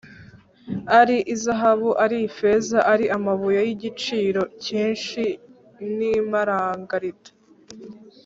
ari izahabu ari ifeza, ari amabuye y’igiciro cyinshi n’imaragarita,